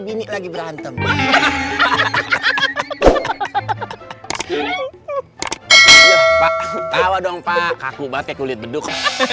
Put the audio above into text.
bini lagi berantem pak kaku pakai kulit beduk